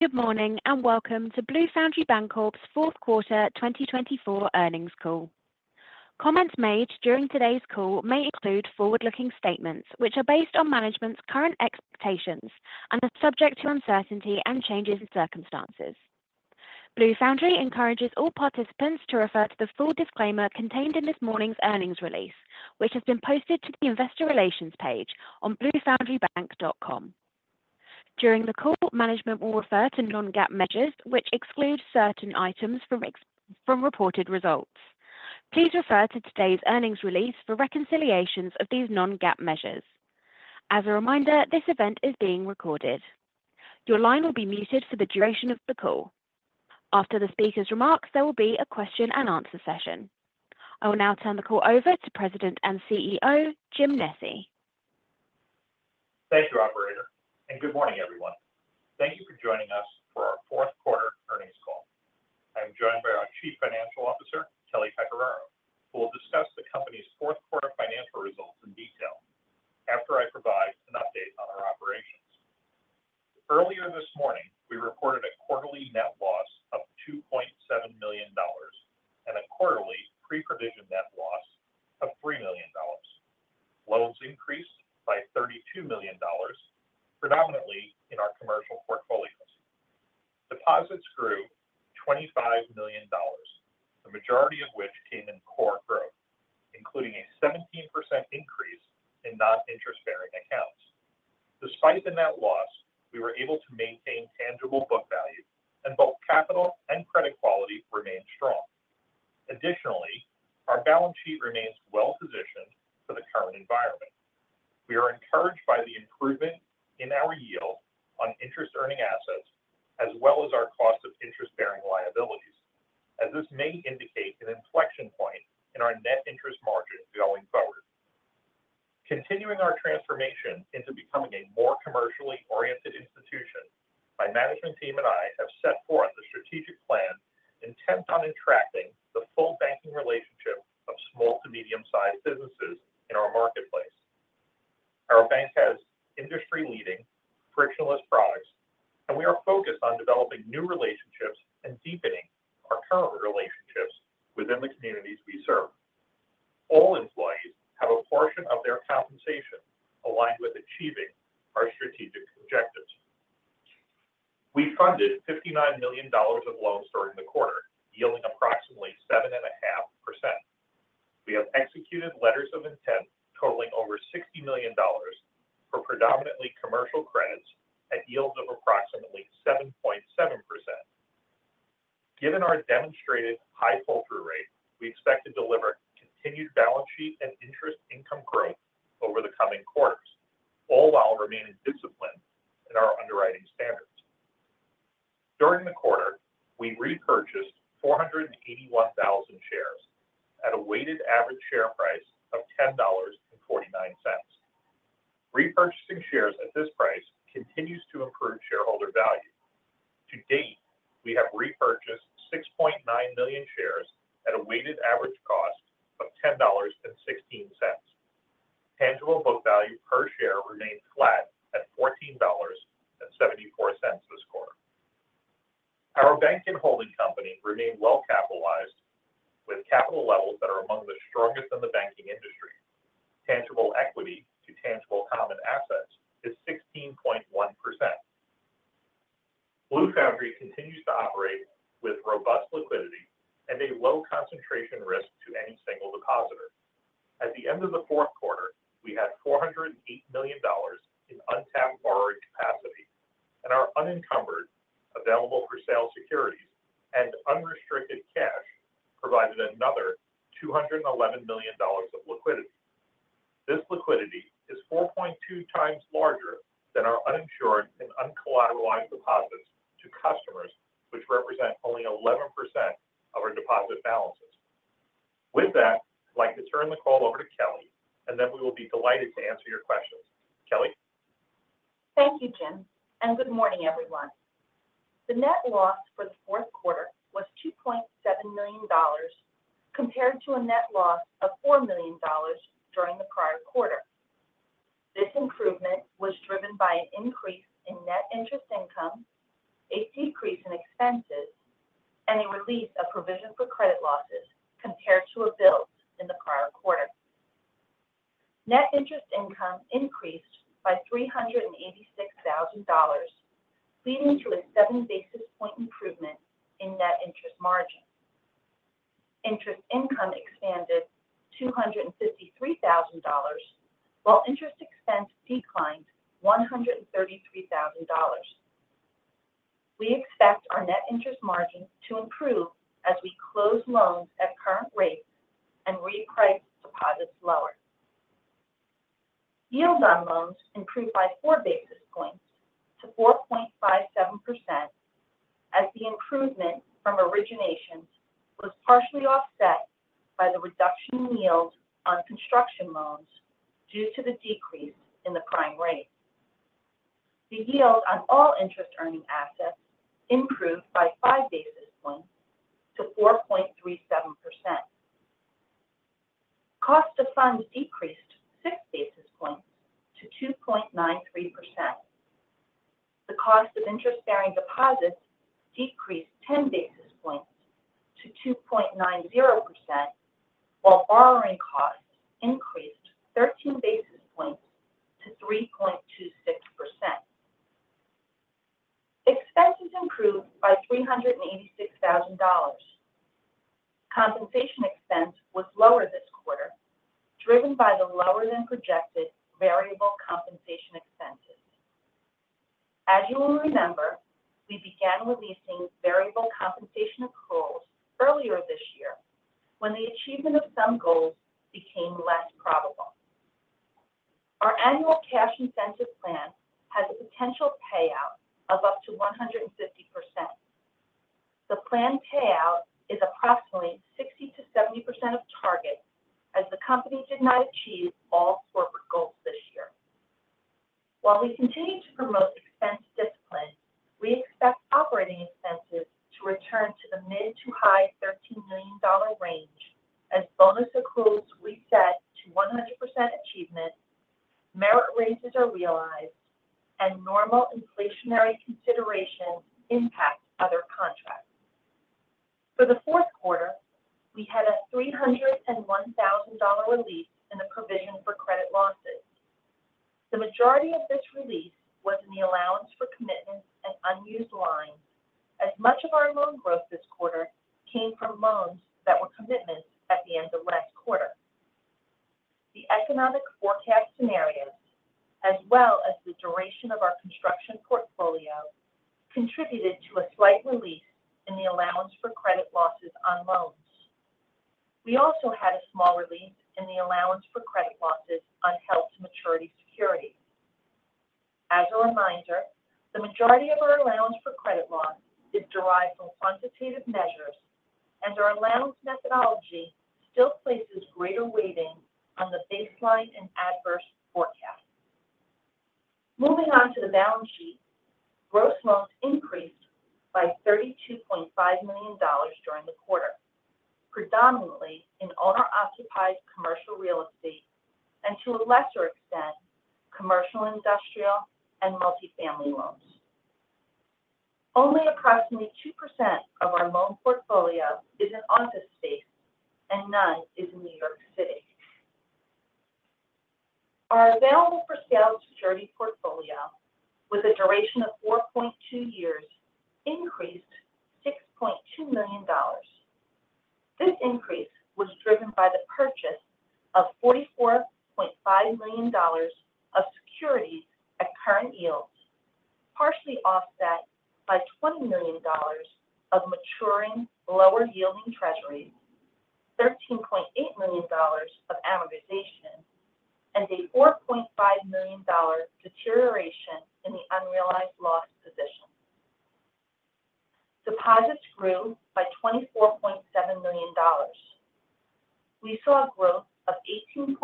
Good morning and welcome to Blue Foundry Bancorp's Fourth Quarter 2024 Earnings Call. Comments made during today's call may include forward-looking statements, which are based on management's current expectations and are subject to uncertainty and changes in circumstances. Blue Foundry encourages all participants to refer to the full disclaimer contained in this morning's earnings release, which has been posted to the investor relations page on bluefoundrybank.com. During the call, management will refer to non-GAAP measures, which exclude certain items from reported results. Please refer to today's earnings release for reconciliations of these non-GAAP measures. As a reminder, this event is being recorded. Your line will be muted for the duration of the call. After the speaker's remarks, there will be a question and answer session. I will now turn the call over to President and CEO, Jim Nesci. Thank you, Operator, and good morning, everyone. Thank you for joining us for our fourth quarter earnings call. I'm joined by our Chief Financial Officer, Kelly Pecoraro, who will discuss the company's fourth quarter financial results in detail after I provide an update on our operations. Earlier this morning, we reported a quarterly net loss of $2.7 million and a quarterly pre-provision net our current relationships within the communities we serve. All employees have a portion of their compensation aligned with achieving our strategic objectives. We funded $59 million of loans during the quarter, yielding approximately 7.5%. We have executed letters of intent totaling over $60 million for predominantly commercial credits at yields of approximately 7.7%. Given our demonstrated high fold-through rate, we expect to deliver continued balance sheet and interest income growth over the coming quarters, all while remaining disciplined in our underwriting standards. During the quarter, we repurchased 481,000 shares at a weighted average share price of $10.49. Repurchasing shares at this price continues to improve shareholder value. To date, we have repurchased 6.9 million shares at a weighted average cost of $10.16. Tangible book value per share remained flat at $14.74 this quarter. Our bank and holding company remain well-capitalized, with capital levels that are among the strongest in the banking industry. Tangible equity to tangible common assets is 16.1%. Blue Foundry continues to operate with robust liquidity and a low concentration risk to any single depositor. At the end of the fourth quarter, we had $408 million in untapped borrowing capacity, and our unencumbered, available-for-sale securities and unrestricted cash provided another $211 million of liquidity. This liquidity is 4.2 times larger than our uninsured and uncollateralized deposits to customers, which represent only 11% of our deposit balances. With that, I'd like to turn the call over to Kelly, and then we will be delighted to answer your questions. Kelly? Thank you, Jim, and good morning, everyone. The net loss for the fourth quarter was $2.7 million compared to a net loss of $4 million during the prior quarter. This improvement was driven by an increase in net interest income, a decrease in expenses, and a release of provision for credit losses compared to a build in the prior quarter. Net interest income increased by $386,000, leading to a seven basis point improvement in net interest margin. Interest income expanded $253,000, while interest expense declined $133,000. We expect our net interest margin to improve as we close loans at current rates and reprice deposits lower. Yield on loans improved by four basis points to 4.57%, as the improvement from origination was partially offset by the reduction in yield on construction loans due to the decrease in the prime rate. The yield on all interest-earning assets improved by five basis points to 4.37%. Cost of funds decreased six basis points to 2.93%. The cost of interest-bearing deposits decreased ten basis points to 2.90%, while borrowing costs increased 13 basis points to 3.26%. Expenses improved by $386,000. Compensation expense was lower this quarter, driven by the lower-than-projected variable compensation expenses. As you will remember, we began releasing variable compensation accruals earlier this year when the achievement of some goals became less probable. Our annual cash incentive plan has a potential payout of up to 150%. The planned payout is approximately 60%-70% of target, as the company did not achieve all corporate goals this year. While we continue to promote expense discipline, we expect operating expenses to return to the mid to high $13 million range as bonus accruals reset to 100% achievement, merit raises are realized, and normal inflationary considerations impact other contracts. For the fourth quarter, we had a $301,000 release in the provision for credit losses. The majority of this release was in the allowance for commitments and unused lines, as much of our loan growth this quarter came from loans that were commitments at the end of last quarter. The economic forecast scenarios, as well as the duration of our construction portfolio, contributed to a slight release in the allowance for credit losses on loans. We also had a small release in the allowance for credit losses on held-to-maturity securities. As a reminder, the majority of our allowance for credit loss is derived from quantitative measures, and our allowance methodology still places greater weighting on the baseline and adverse forecasts. Moving on to the balance sheet, gross loans increased by $32.5 million during the quarter, predominantly in owner-occupied commercial real estate and, to a lesser extent, commercial and industrial and multifamily loans. Only approximately 2% of our loan portfolio is in office space, and none is in New York City. Our available for sale security portfolio, with a duration of 4.2 years, increased $6.2 million. This increase was driven by the purchase of $44.5 million of securities at current yields, partially offset by $20 million of maturing lower-yielding treasuries, $13.8 million of amortization, and a $4.5 million deterioration in the unrealized loss position. Deposits grew by $24.7 million. We saw a growth of $18.6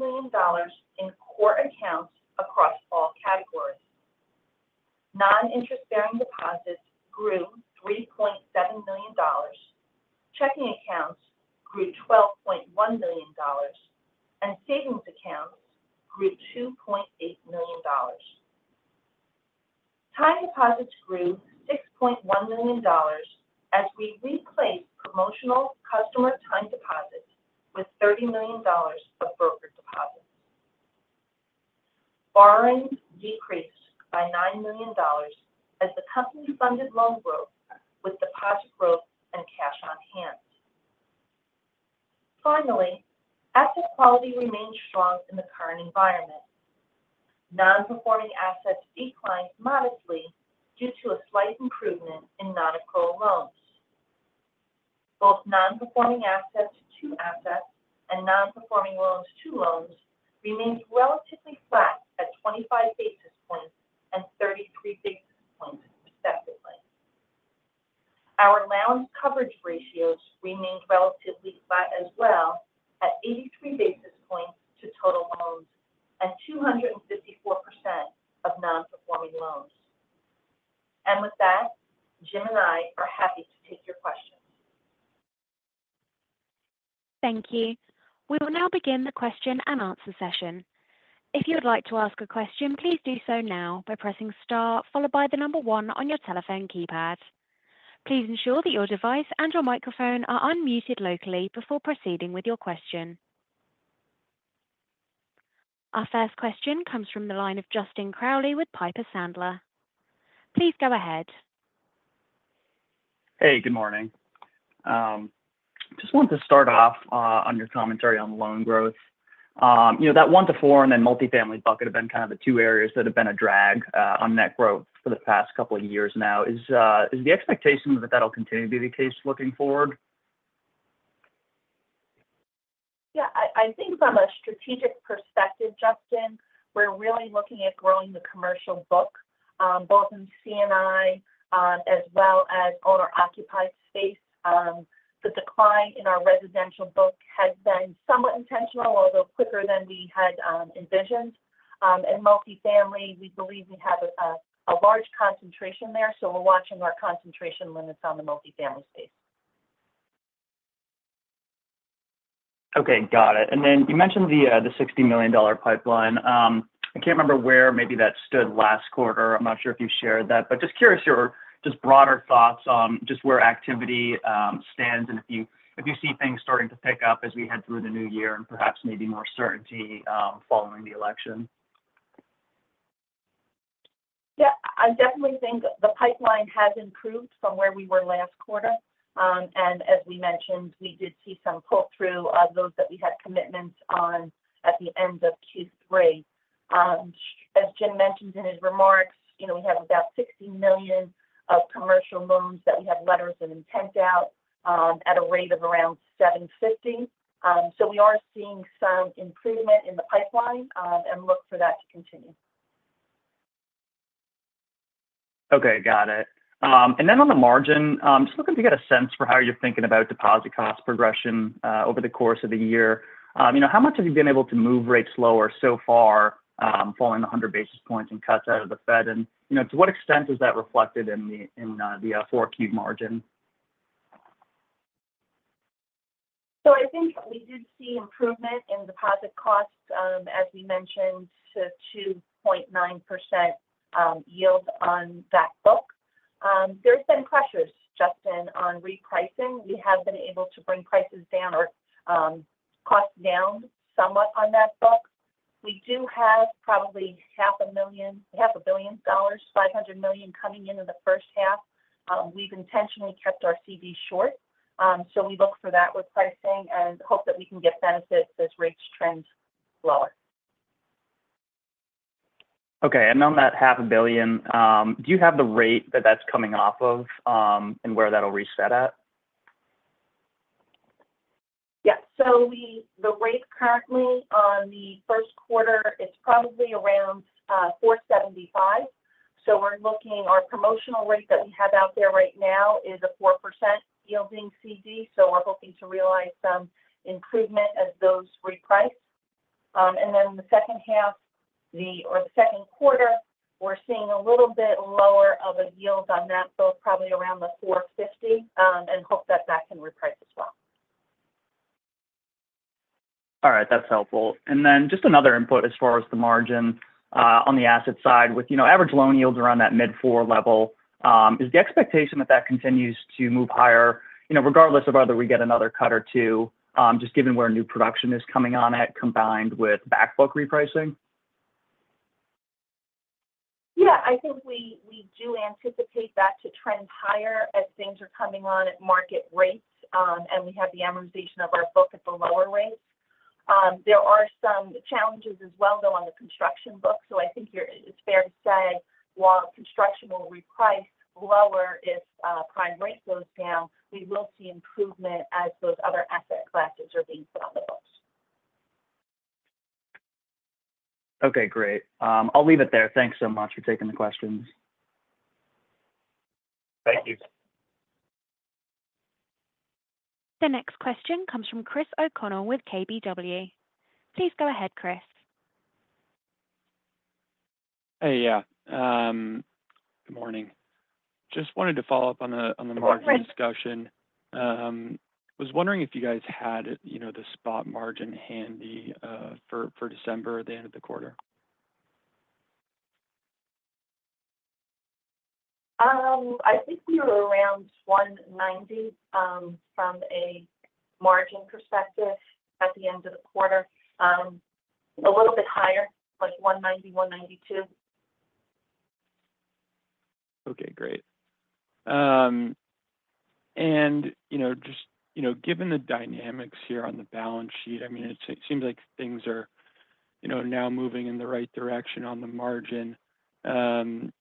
million in core accounts across all categories. Non-interest-bearing deposits grew $3.7 million, checking accounts grew $12.1 million, and savings accounts grew $2.8 million. Time deposits grew $6.1 million as we replaced promotional customer time deposits with $30 million of broker deposits. Borrowing decreased by $9 million as the company-funded loan growth with deposit growth and cash on hand. Finally, asset quality remained strong in the current environment. Non-performing assets declined modestly due to a slight improvement in non-accrual loans. Both non-performing assets to assets and non-performing loans to loans remained relatively flat at 25 basis points and 33 basis points respectively. Our allowance coverage ratios remained relatively flat as well at 83 basis points to total loans and 254% of non-performing loans. And with that, Jim and I are happy to take your questions. Thank you. We will now begin the question and answer session. If you would like to ask a question, please do so now by pressing star followed by the number one on your telephone keypad. Please ensure that your device and your microphone are unmuted locally before proceeding with your question. Our first question comes from the line of Justin Crowley with Piper Sandler. Please go ahead. Hey, good morning. Just wanted to start off on your commentary on loan growth. That one-to-four and then multifamily bucket have been kind of the two areas that have been a drag on net growth for the past couple of years now. Is the expectation that that'll continue to be the case looking forward? Yeah, I think from a strategic perspective, Justin, we're really looking at growing the commercial book, both in C&I as well as owner-occupied space. The decline in our residential book has been somewhat intentional, although quicker than we had envisioned. In multifamily, we believe we have a large concentration there, so we're watching our concentration limits on the multifamily space. Okay, got it. And then you mentioned the $60 million pipeline. I can't remember where, maybe that stood last quarter. I'm not sure if you shared that, but just curious, your broader thoughts on just where activity stands and if you see things starting to pick up as we head through the new year and perhaps maybe more certainty following the election? Yeah, I definitely think the pipeline has improved from where we were last quarter. And as we mentioned, we did see some pull-through of those that we had commitments on at the end of Q3. As Jim mentioned in his remarks, we have about $60 million of commercial loans that we have letters of intent out at a rate of around $750. So we are seeing some improvement in the pipeline and look for that to continue. Okay, got it. And then on the margin, just looking to get a sense for how you're thinking about deposit cost progression over the course of the year. How much have you been able to move rates lower so far following the 100 basis points and cuts out of the Fed? And to what extent is that reflected in the forward Q margin? So I think we did see improvement in deposit costs, as we mentioned, to 2.9% yield on that book. There's been pressures, Justin, on repricing. We have been able to bring prices down or costs down somewhat on that book. We do have probably $500,000, $500 million, $500 million coming into the first half. We've intentionally kept our CD short, so we look for that repricing and hope that we can get benefits as rates trend lower. Okay, and on that $500 million, do you have the rate that that's coming off of and where that'll reset at? Yeah, so the rate currently on the first quarter, it's probably around $475. So we're looking, our promotional rate that we have out there right now is a 4% yielding CD, so we're hoping to realize some improvement as those reprice, and then the second half or the second quarter, we're seeing a little bit lower of a yield on that, so probably around the $450, and hope that that can reprice as well. All right, that's helpful. And then just another input as far as the margin on the asset side, with average loan yields around that mid-four level, is the expectation that that continues to move higher regardless of whether we get another cut or two, just given where new production is coming on at combined with backbook repricing? Yeah, I think we do anticipate that to trend higher as things are coming on at market rates and we have the amortization of our book at the lower rates. There are some challenges as well, though, on the construction book, so I think it's fair to say while construction will reprice lower if prime rate goes down, we will see improvement as those other asset classes are being put on the books. Okay, great. I'll leave it there. Thanks so much for taking the questions. Thank you. The next question comes from Chris O'Connell with KBW. Please go ahead, Chris. Hey, yeah. Good morning. Just wanted to follow up on the margin discussion. Was wondering if you guys had the spot margin handy for December, the end of the quarter? I think we were around $190 from a margin perspective at the end of the quarter, a little bit higher, like $190, $192. Okay, great. And just given the dynamics here on the balance sheet, I mean, it seems like things are now moving in the right direction on the margin. And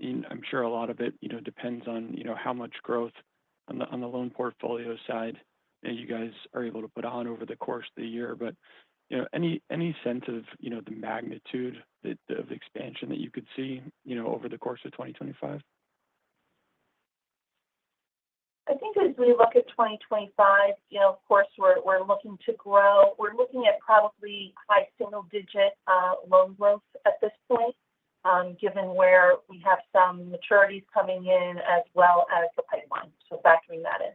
I'm sure a lot of it depends on how much growth on the loan portfolio side you guys are able to put on over the course of the year. But any sense of the magnitude of expansion that you could see over the course of 2025? I think as we look at 2025, of course, we're looking to grow. We're looking at probably high single-digit loan growth at this point, given where we have some maturities coming in as well as the pipeline, so factoring that in.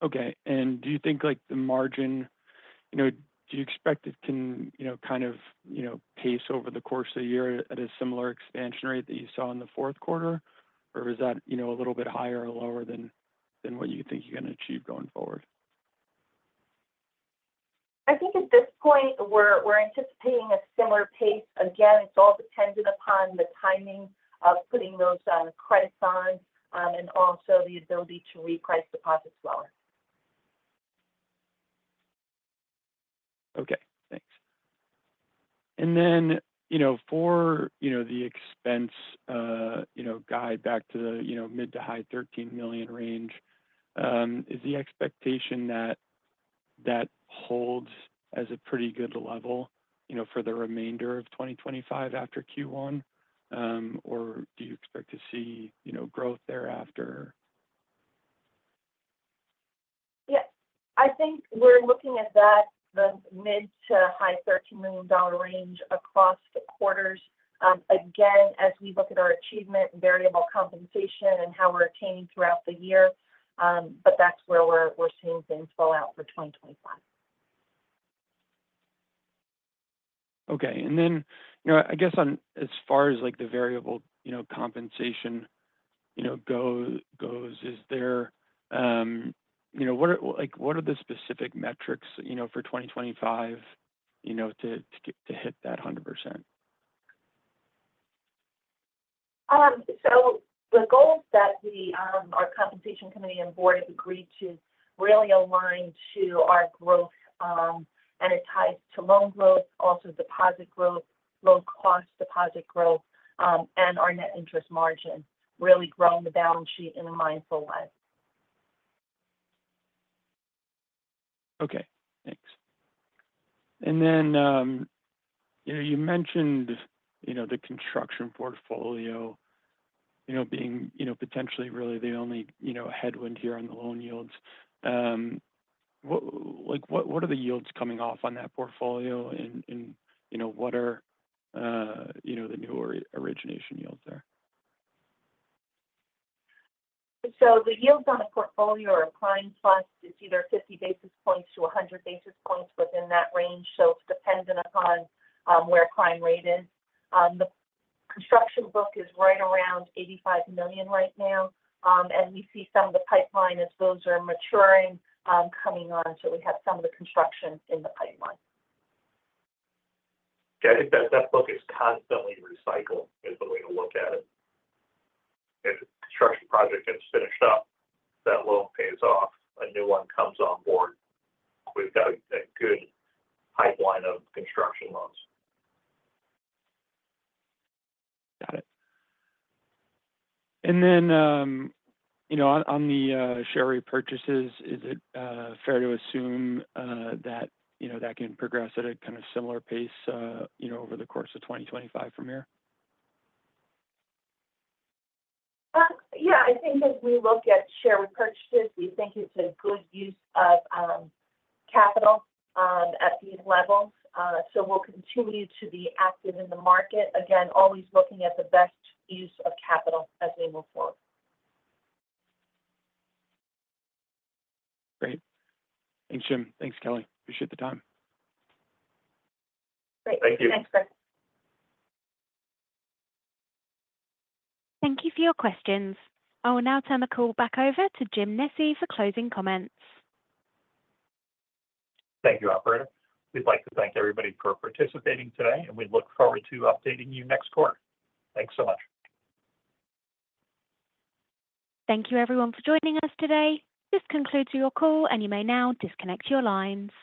Okay, and do you think the margin, do you expect it can kind of pace over the course of the year at a similar expansion rate that you saw in the fourth quarter, or is that a little bit higher or lower than what you think you're going to achieve going forward? I think at this point, we're anticipating a similar pace. Again, it's all dependent upon the timing of putting those credits on and also the ability to reprice deposits lower. Okay, thanks. And then for the expense guide back to the mid to high $13 million range, is the expectation that holds as a pretty good level for the remainder of 2025 after Q1, or do you expect to see growth thereafter? Yes, I think we're looking at that mid to high $13 million range across the quarters. Again, as we look at our achievement, variable compensation, and how we're attaining throughout the year, but that's where we're seeing things fall out for 2025. Okay, and then I guess as far as the variable compensation goes, what are the specific metrics for 2025 to hit that 100%? The goals that our compensation committee and board have agreed to really align to our growth, and it ties to loan growth, also deposit growth, low-cost deposit growth, and our net interest margin, really growing the balance sheet in a mindful way. Okay, thanks and then you mentioned the construction portfolio being potentially really the only headwind here on the loan yields. What are the yields coming off on that portfolio, and what are the new origination yields there? So the yields on the portfolio are prime plus. It's either 50-100 basis points within that range, so it's dependent upon where prime rate is. The construction book is right around $85 million right now, and we see some of the pipeline as those are maturing coming on, so we have some of the construction in the pipeline. Yeah, I think that book is constantly recycled is the way to look at it. If a construction project gets finished up, that loan pays off. A new one comes on board. We've got a good pipeline of construction loans. Got it. And then on the share repurchases, is it fair to assume that that can progress at a kind of similar pace over the course of 2025 from here? Yeah, I think as we look at share repurchases, we think it's a good use of capital at these levels, so we'll continue to be active in the market. Again, always looking at the best use of capital as we move forward. Great. Thanks, Jim. Thanks, Kelly. Appreciate the time. Great. Thank you. Thanks, Chris. Thank you for your questions. I will now turn the call back over to Jim Nesci for closing comments. Thank you, Operator. We'd like to thank everybody for participating today, and we look forward to updating you next quarter. Thanks so much. Thank you, everyone, for joining us today. This concludes your call, and you may now disconnect your lines.